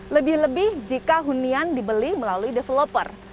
lebih lebih jika hunian dibeli melalui developer